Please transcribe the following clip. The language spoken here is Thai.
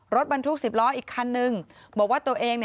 รถบรรทุกสิบล้ออีกคันนึง